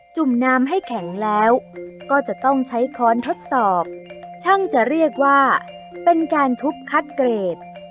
จุ่มน้ำให้แข็งแล้วก็จะต้องใช้ค้อนทดสอบช่างจะเรียกว่าเป็นการทุบคัดเกรด